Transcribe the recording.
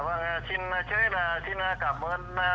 vâng xin cảm ơn